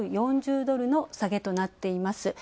３４０ドルの下げとなっています。